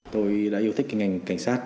tôi đã yêu thích cái ngành cảnh sát